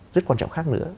rất quan trọng khác nữa